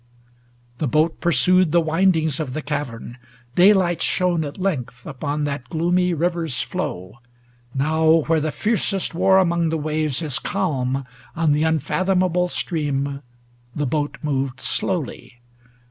The boat pursued The windings of the cavern. Daylight shone 370 At length upon that gloomy river's flow; Now, where the fiercest war among the waves Is calm, on the unfathomable stream The boat moved slowly.